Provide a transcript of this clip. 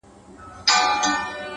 • خوند كوي دا دوه اشــــنا؛